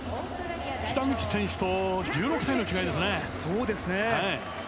北口選手と１６歳の違いですね。